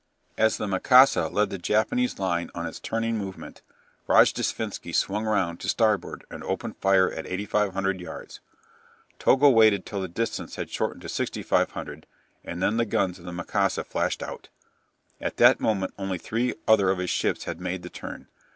As the "Mikasa" led the Japanese line on its turning movement Rojdestvensky swung round to starboard and opened fire at 8500 yards. Togo waited till the distance had shortened to 6500, and then the guns of the "Mikasa" flashed out. At that moment only three other of his ships had made the turn.